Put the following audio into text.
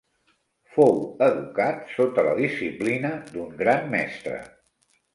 Fou educat sota la disciplina d'un gran mestre.